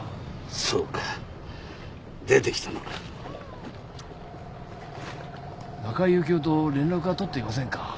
そうか出てきたのか中井幸雄と連絡は取っていませんか？